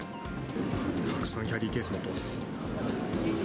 たくさん、キャリーケース持ってます。